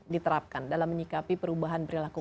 diterapkan dalam menyikapi perubahan perilaku